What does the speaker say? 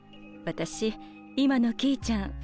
私今のきーちゃん